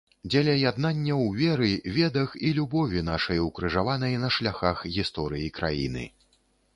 Дзеля яднання ў веры, ведах і любові нашай укрыжаванай на шляхах гісторыі краіны.